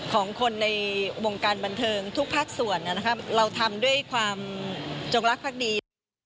ของคนในวงการบันเทิงทุกภาคส่วนเราทำด้วยความจงรักภักดี